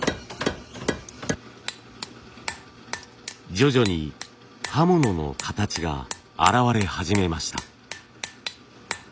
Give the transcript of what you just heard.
徐々に刃物の形が現れ始めました。